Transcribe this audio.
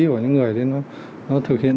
của những người nên nó thực hiện